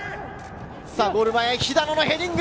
ゴール前、肥田野のヘディング。